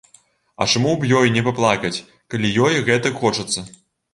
А чаму б ёй не паплакаць, калі ёй гэтак хочацца.